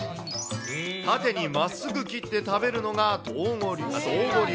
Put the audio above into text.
縦にまっすぐ切って食べるのが島後流。